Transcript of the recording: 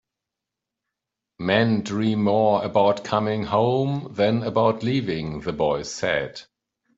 "Men dream more about coming home than about leaving," the boy said.